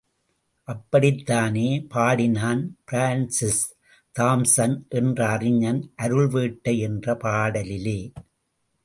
அப்படித்தானே பாடினான் Francis, Thomson என்ற அறிஞன், அருள்வேட்டை என்ற பாடலிலே.